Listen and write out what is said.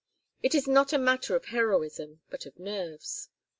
It is not a matter of heroism but of nerves.